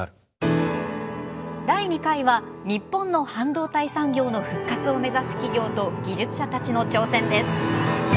第２回は日本の半導体産業の復活を目指す企業と技術者たちの挑戦です。